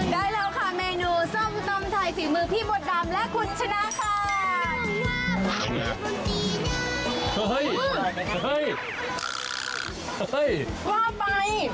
ได้แล้วค่ะเมนูส้มตำไทยฝีมือพี่มดดำและคุณชนะค่ะ